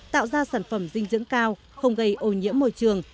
tạo ra sản phẩm dinh dưỡng cao không gây ô nhiễm môi trường